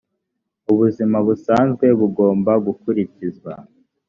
ubuzima busanzwe bugomba gukurikizwa.